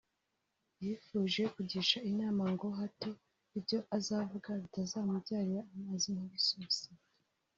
yifuje kugisha inama ngo hato ibyo azavuga bitazamubyarira amazi nk’ibisusa